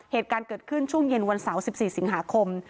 เหตุการณ์เกิดขึ้นช่วงเย็นวันเสาร์๑๔สิงหาคม